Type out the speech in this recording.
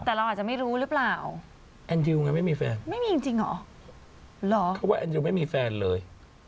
แต่เราอาจจะไม่รู้หรือเปล่าแอนดิวไงไม่มีแฟนไม่มีจริงเหรอเพราะว่าแอนดิวไม่มีแฟนเลย